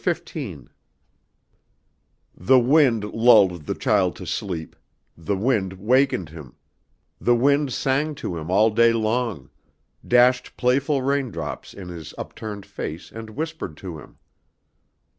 The wind lulled the child to sleep, the wind wakened him, the wind sang to him all day long, dashed playful raindrops in his upturned face and whispered to him.